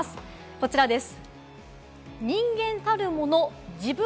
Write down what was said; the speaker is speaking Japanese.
こちらです。